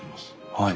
はい。